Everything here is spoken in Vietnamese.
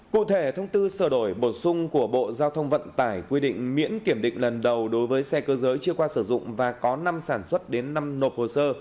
cụ thể thông tư sửa đổi bổ sung của bộ giao thông vận tải quy định miễn kiểm định lần đầu đối với xe cơ giới chưa qua sử dụng và có năm sản xuất đến năm nộp hồ sơ